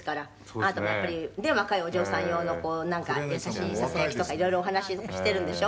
「あなたもやっぱりね若いお嬢さん用のこうなんか優しいささやきとかいろいろお話ししてるんでしょ？」